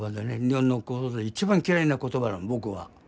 日本の言葉で一番嫌いな言葉なの僕は。